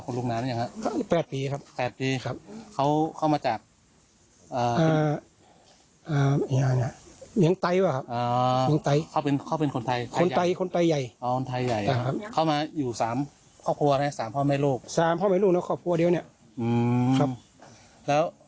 ฟังเสียงเจ้าของสวนด้วยค่ะ